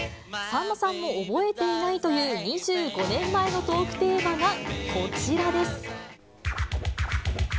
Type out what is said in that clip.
さんまさんも覚えていないという２５年前のトークテーマがこちらです。